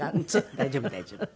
大丈夫大丈夫。